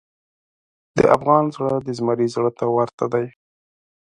د افغان زړه د زمري زړه ته ورته دی.